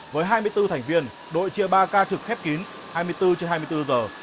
với hai mươi bốn thành viên đội chia ba ca trực khép kín hai mươi bốn trên hai mươi bốn giờ